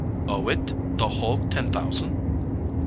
"Owe it? The whole ten thousand?"